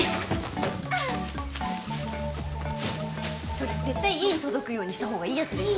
それ絶対家に届くようにしたほうがいいやつでしょ？